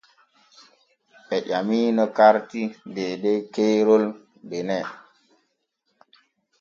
Ɓe ƴamimo karti deydey keerol Benin.